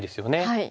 はい。